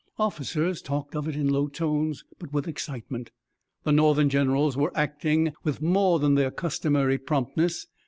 Officers talked of it in low tones, but with excitement. The Northern generals were acting with more than their customary promptness.